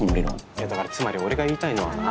いやだからつまり俺が言いたいのはね。